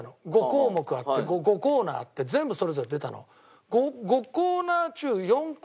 ５項目あって５コーナーあって全部それぞれ出たの。